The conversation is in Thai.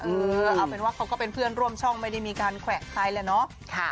เออเอาเป็นว่าเขาก็เป็นเพื่อนร่วมช่องไม่ได้มีการแขวะใครแหละเนาะ